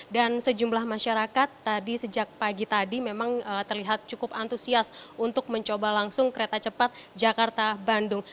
dan sejumlah masyarakat tadi sejak pagi tadi memang terlihat cukup antusias untuk mencoba langsung kereta cepat jakarta bandung